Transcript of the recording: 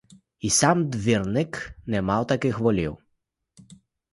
І сам двірник не мав таких волів.